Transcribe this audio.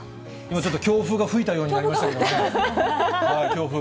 ちょっと強風が吹いたようになりましたけどね、強風。